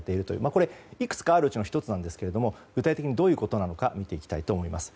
これ、いくつかあるうちの１つなんですが具体的にどういうことなのか見ていきたいと思います。